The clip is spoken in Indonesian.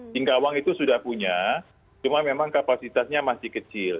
singkawang itu sudah punya cuma memang kapasitasnya masih kecil